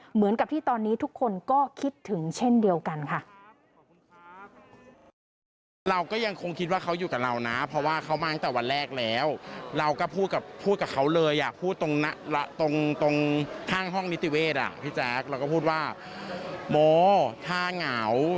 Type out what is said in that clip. เหมือนกับที่ตอนนี้ทุกคนก็คิดถึงเช่นเดียวกันค่ะ